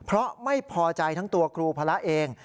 เพราะไม่พอใจทั้งตัวครูพระเอง